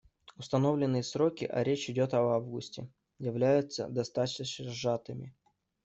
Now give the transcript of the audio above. Установленные сроки, а речь идет об августе, являются достаточно сжатыми.